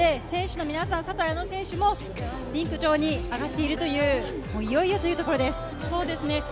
選手の皆さん、佐藤綾乃選手もリンク上に上がっているという、いよいよというところです。